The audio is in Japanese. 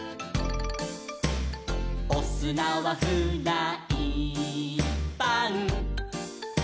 「おすなはフライパン」